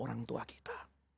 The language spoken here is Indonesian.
orang tua kita